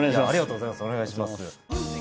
お願いします。